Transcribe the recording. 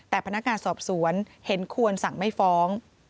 แต่พนักงานสอบสวนเห็นควรสั่งไม่ฟ้อง